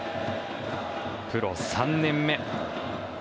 プロ３年目。